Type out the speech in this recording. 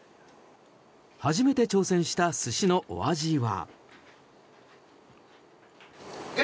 初めて挑戦した寿司のお味は。